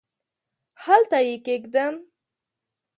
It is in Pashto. هلته یې کښېږدم ؟؟